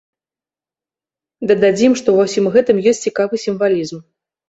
Дададзім, што ва ўсім гэтым ёсць цікавы сімвалізм.